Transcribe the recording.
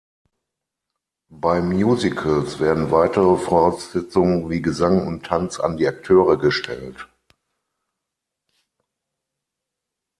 Bei Musicals werden weitere Voraussetzungen wie Gesang und Tanz an die Akteure gestellt.